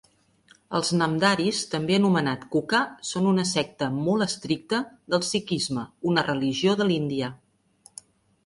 Els namdharis, també anomenat kuka, són una secta molt estricta del sikhisme, una religió de l'Índia.